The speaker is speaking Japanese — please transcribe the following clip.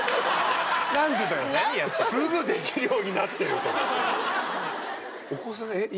すぐできるようになってると思って。